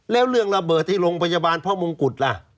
แล้วเรื่องระเบิดที่โรงพยาบาลพ่อมงกุฎล่ะ